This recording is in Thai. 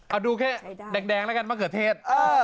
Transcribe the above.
เอาดูแค่แดกแดงละกันมังเขือเทศ